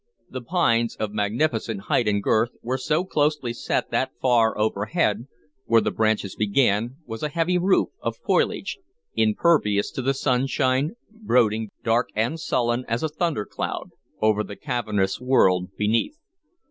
The pines, of magnificent height and girth, were so closely set that far overhead, where the branches began, was a heavy roof of foliage, impervious to the sunshine, brooding, dark and sullen as a thundercloud, over the cavernous world beneath.